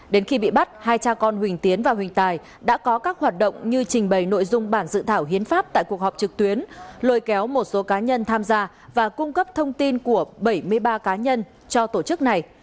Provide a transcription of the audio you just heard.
đến khi bị bắt hai cha con huỳnh tiến và huỳnh tài đã có các hoạt động như trình bày nội dung bản dự thảo hiến pháp tại cuộc họp trực tuyến lôi kéo một số cá nhân tham gia và cung cấp thông tin của bảy mươi ba cá nhân cho tổ chức này